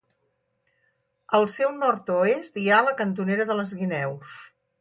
Al seu nord-oest hi ha la Cantonera de les Guineus.